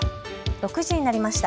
６時になりました。